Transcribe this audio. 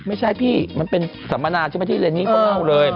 ไม่ใช่พี่มันเป็นสัมมนาใช่ไหมที่เรนนี่เขาเล่าเลย